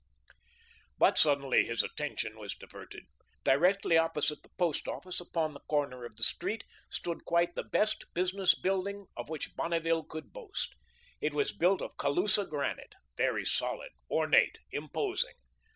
But suddenly his attention was diverted. Directly opposite the Post Office, upon the corner of the street, stood quite the best business building of which Bonneville could boast. It was built of Colusa granite, very solid, ornate, imposing.